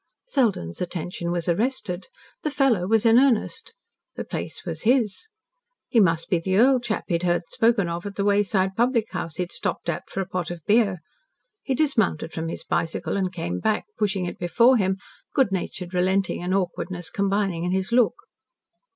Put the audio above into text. Selden's attention was arrested. The fellow was in earnest. The place was his. He must be the earl chap he had heard spoken of at the wayside public house he had stopped at for a pot of beer. He dismounted from his bicycle, and came back, pushing it before him, good natured relenting and awkwardness combining in his look.